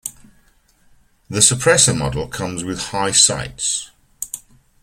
The Suppressor model comes with high sights.